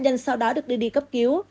các nạn nhân sau đó được đưa đi cấp cứu